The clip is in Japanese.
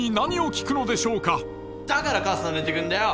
だから母さん出てくんだよ！